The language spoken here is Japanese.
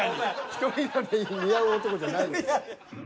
１人鍋似合う男じゃないです。